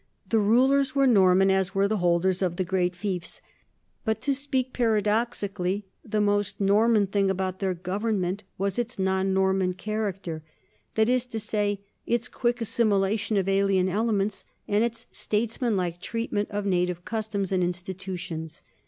The rulers were Norman, as were the holders of the great fiefs, but, to speak paradoxically, the most Norman thing about their government was its non Norman character, that is to say, its quick assimilation of alien elements and its statesmanlike treatment of native customs and institu tions.